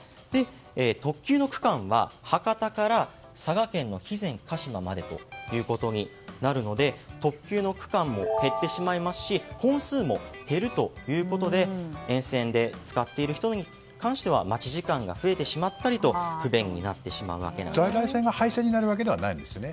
特急の区間は、博多から佐賀県の肥前鹿島までとなりますし特急の区間も減ってしまうし本数も減るということで沿線で使っている人については待ち時間が増えてしまったりと在来線が廃線になるわけではないんですね。